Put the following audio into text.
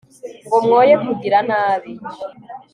ngo mwoye kugira nabi